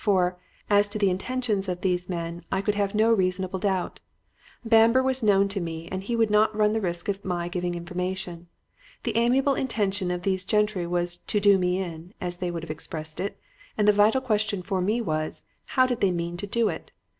For, as to the intentions of these men, I could have no reasonable doubt. Bamber was known to me and he would not run the risk of my giving information. The amiable intention of these gentry was to 'do me in,' as they would have expressed it, and the vital question for me was, How did they mean to do it?